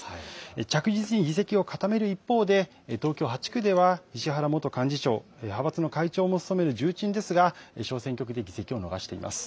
着実に議席を固める一方で東京８区では、石原元幹事長、派閥の会長も務める重鎮ですが小選挙区で議席を伸ばしています。